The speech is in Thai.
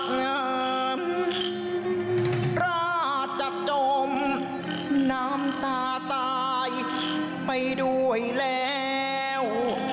พระจะจมน้ำตาตายไปด้วยแล้ว